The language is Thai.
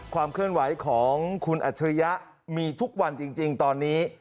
ความเคลื่อนไหวของคุณอัจฉริยะมีทุกวันจริงตอนนี้